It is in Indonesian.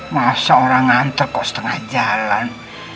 masa orang nganter kok setengah jalan